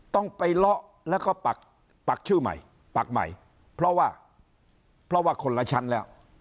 ต้องไปเลาะแล้วก็ปักชื่อใหม่ปักใหม่เพราะว่าคนละชั้นแล้ว